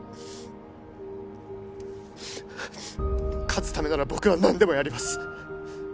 勝つためなら僕は何でもやります